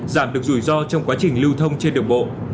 giảm được rủi ro trong quá trình lưu thông trên đường bộ